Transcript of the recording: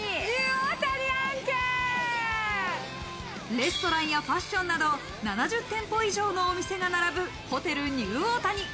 レストランやファッションなど７０店舗以上のお店が並ぶホテルニューオータニ。